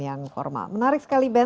yang formal menarik sekali ben